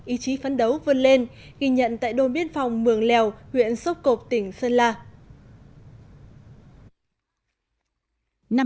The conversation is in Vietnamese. ý chí phấn đấu vươn lên ghi nhận tại đồn biên phòng mường lèo huyện sốc cộp tỉnh sơn la